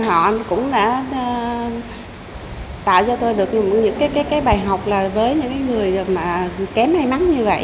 họ cũng đã tạo cho tôi được những cái bài học là với những người mà kém may mắn như vậy